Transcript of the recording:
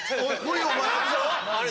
あれ？